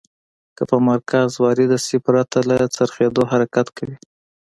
که په مرکز وارده شي پرته له څرخیدو حرکت کوي.